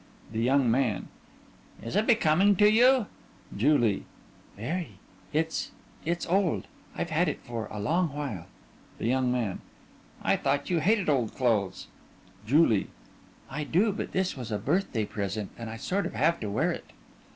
THE YOUNG MAN: Is it becoming to you? JULIE: Very. It's it's old. I've had it for a long while. THE YOUNG MAN: I thought you hated old clothes. JULIE: I do but this was a birthday present and I sort of have to wear it.